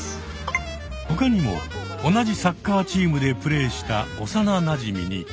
他にも同じサッカーチームでプレーした幼なじみに。